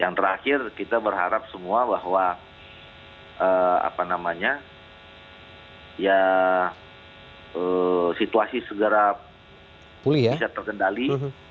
dan terakhir kita berharap semua bahwa situasi segera bisa terkendali